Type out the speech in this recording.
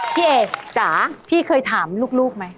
พี่เอ๋จ๋าพี่เคยถามลูกไหม